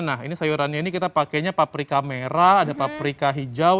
nah ini sayurannya ini kita pakainya paprika merah ada paprika hijau